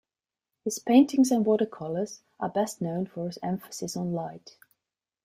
His paintings and watercolors are best known for his emphasis on light.